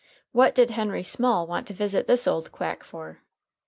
What did Henry Small want to visit this old quack for?